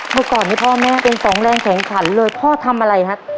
เมื่อก่อนนี้พ่อแม่เป็นสองแรงแข็งขันเลยพ่อทำอะไรฮะ